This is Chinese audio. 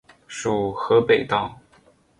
属河北道。